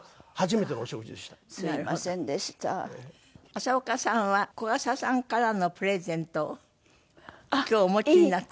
浅丘さんは小朝さんからのプレゼントを今日お持ちになった？